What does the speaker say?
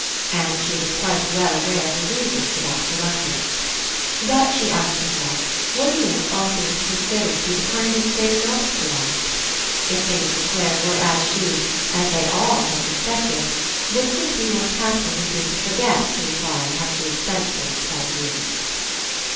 And she was quite well aware of the reason for that re luctance. But, she asked herself, wouldn't it, all things considered, be the kindest thing not to ask? If things with Clare were as she — as they all — had suspected, wouldn't it be more tactful to seem to forget to Inquire how she had spent those twelve years?